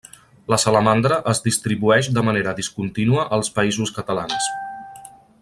La salamandra es distribueix de manera discontínua als Països Catalans.